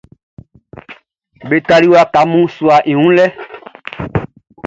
Be tali waka mun suaʼn i wun lɛ.